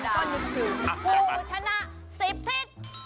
มันก็นึกถึง